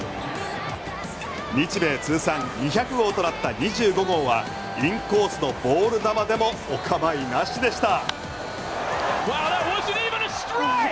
日米通算２００号となった２５号はインコースとボール球でもお構いなしでした。